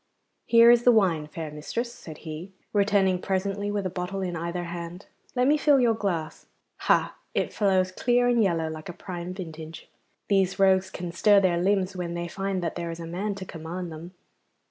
'Here is the wine, fair mistress,' said he, returning presently with a bottle in either hand. 'Let me fill your glass. Ha! it flows clear and yellow like a prime vintage. These rogues can stir their limbs when they find that there is a man to command them.